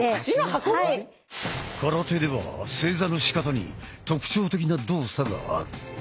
空手では正座のしかたに特徴的な動作がある。